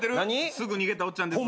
すぐ逃げたおっちゃんです。